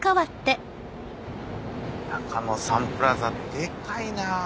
中野サンプラザデカいな。